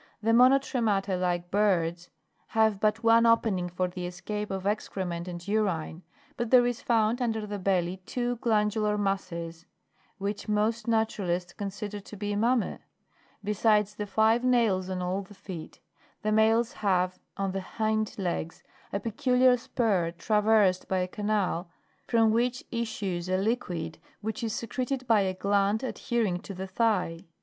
The monotremata, like birds, have but one opening for the escape of excrement and urine ; but there is found under the belly two glandular masses, which most naturalists consider to be mammas ; besides the five nails on all the feet, the males have on the hind legs a peculiar spur traversed by a canal from which issues a liquid, which is secreted by a gland adhering to the thigh.